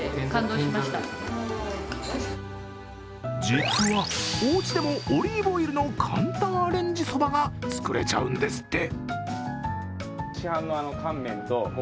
実は、おうちでもオリーブオイルの簡単アレンジそばが作れちゃうんですって。